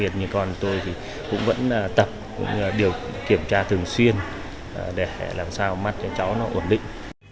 rồi thì cũng vẫn tập điều kiểm tra thường xuyên để làm sao mắt cho cháu nó ổn định